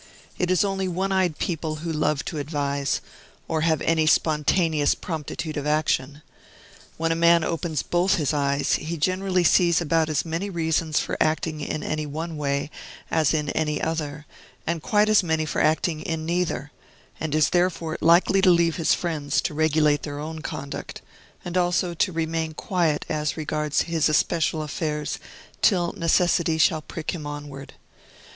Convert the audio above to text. It is only one eyed people who love to advise, or have any spontaneous promptitude of action. When a man opens both his eyes, he generally sees about as many reasons for acting in any one way as in any other, and quite as many for acting in neither; and is therefore likely to leave his friends to regulate their own conduct, and also to remain quiet as regards his especial affairs till necessity shall prick him onward.